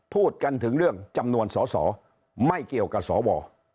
พูดกันถึงเรื่องจำนวนสอสอไม่เกี่ยวกับสว